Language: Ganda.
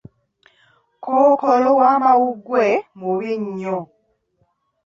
Kookolo w'amawuggwe mubi nnyo.